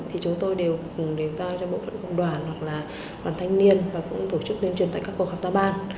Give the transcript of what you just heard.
thì chúng tôi đều giao cho bộ phận công đoàn hoặc là bản thanh niên và cũng tổ chức tiêm truyền tại các cuộc học gia ban